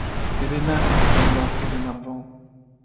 Helena! s’écria lord Glenarvan.